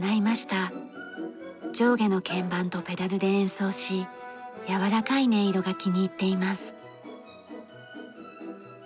上下の鍵盤とペダルで演奏しやわらかい音色が気に入っています。